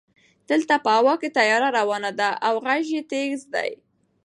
دلته په هوا کې طیاره روانه ده او غژ یې تېز ده.